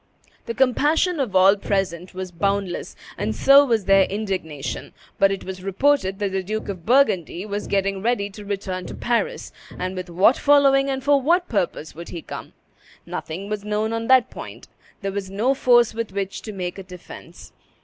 The compassion of all present was boundless, and so was their indignation; but it was reported that the Duke of Burgundy was getting ready to return to Paris, and with what following and for what purpose would he come? Nothing was known on that point. There was no force with which to make a defence.